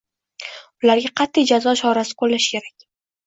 Ularga qatʼiy jazo chorasi qoʻllash kerak.